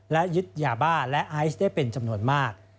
และยึดยาบ้าและไอซ์ได้เป็นจำนวนมาก